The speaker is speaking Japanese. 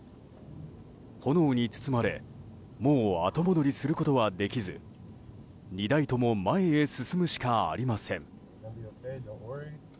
炎に包まれもう後戻りすることはできず２台とも前へ進むしかありません。